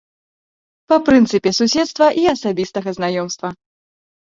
Па прынцыпе суседства і асабістага знаёмства.